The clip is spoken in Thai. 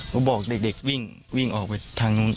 ก็บอกเด็กวิ่งวิ่งออกไปทางนู้น